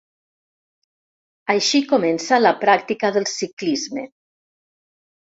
Així comença la pràctica del ciclisme.